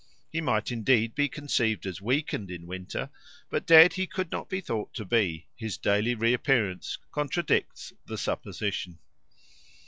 He might, indeed, be conceived as weakened in winter, but dead he could not be thought to be; his daily reappearance contradicts the supposition.